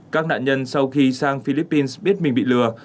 các nạn nhân sau khi sang philippines biết mình bị lừa